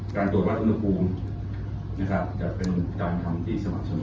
การตรวจวัฒนภูมินะครับจะเป็นการทำตีสมัครเสมอ